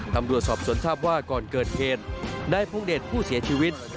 ตำรวจสอบสวนทราบว่าก่อนเกิดเหตุนายพงเดชผู้เสียชีวิต